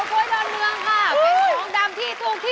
เป็นเงินดำที่สูงที่สูง